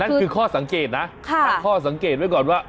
นั่นคือข้อสังเกตนะตั้งข้อสังเกตไว้ก่อนว่า